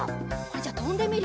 じゃあとんでみる？